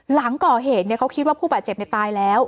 หลังก่อเหตุเขาคิดว่าผู้บาดเจ็บตายแล้ว